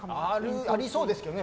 ありそうですけどね